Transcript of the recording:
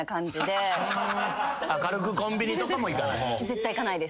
軽くコンビニとかも行かない。